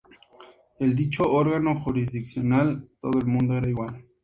En dicho órgano jurisdiccional, todo el mundo era igual"".